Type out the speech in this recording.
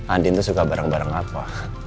andien tuh suka barang barang apa